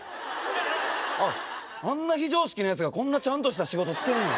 あんな非常識なやつがこんなちゃんとした仕事してんねや。